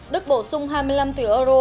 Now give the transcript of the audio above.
đức bổ sung hai mươi năm tỷ euro